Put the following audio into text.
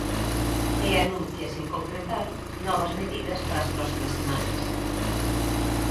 E anuncia, sen concretar, novas medidas para as próximas semanas.